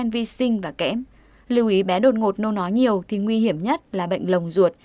và kém lưu ý bé đồn ngột nôn ói nhiều thì nguy hiểm nhất là bệnh lồng ruột